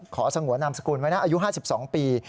สงวนนามสกุลไว้นะอายุ๕๒ปี